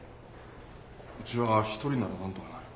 うちは１人なら何とかなる。